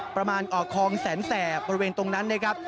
ประมาณของแสนแสบบริเวณตรงนั้นนะครับ